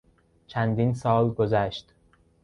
چندین سال گذشت.